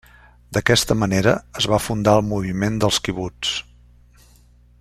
D'aquesta manera es va fundar el moviment del quibuts.